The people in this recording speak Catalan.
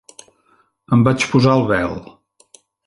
Em vaig posar el vel.